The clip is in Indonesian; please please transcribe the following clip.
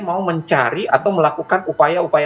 mau mencari atau melakukan upaya upaya